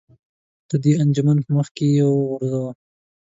د دې انجمن په مخ کې یې وغورځوه.